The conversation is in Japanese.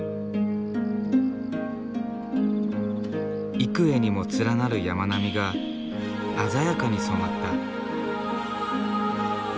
幾重にも連なる山並みが鮮やかに染まった。